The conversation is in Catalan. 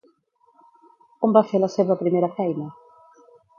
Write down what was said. On va fer la seva primera feina?